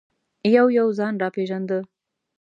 یو یو ځان را پېژانده.